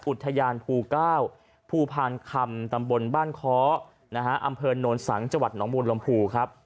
อุทยานภูเก้าภูพาลคำตำบลบ้านคออำเภอโนรสังจหนองบวนลำภูครับ